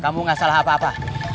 kamu gak salah apa apa